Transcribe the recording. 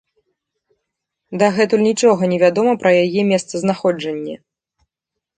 Дагэтуль нічога не вядома пра яе месцазнаходжанне.